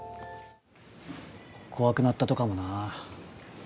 怖くなったとかもな。